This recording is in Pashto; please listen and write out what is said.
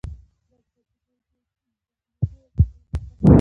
دا د بدلېدو یوه ځانګړې وړتیا لري.